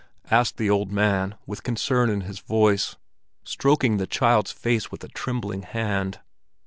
asked the old man, with concern in his voice, stroking the child's face with a trembling hand.